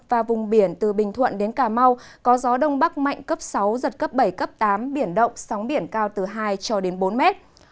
và vùng biển từ bình thuận đến cà mau có gió đông bắc mạnh cấp sáu giật cấp bảy cấp tám biển động sóng biển cao từ hai cho đến bốn mét